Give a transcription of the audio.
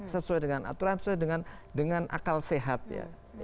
sesuai dengan aturan sesuai dengan akal sehat ya